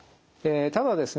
ただですね